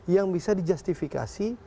yang bisa dijustifikasi